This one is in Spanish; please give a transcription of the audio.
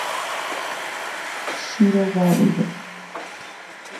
Shiro va a volver!